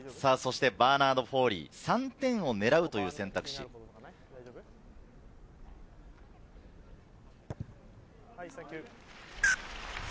バーナード・フォーリー、３点を狙うという選択肢です。